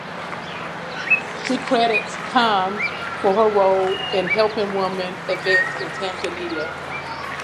She credits Kamm for her role in helping women advance in Tanzania.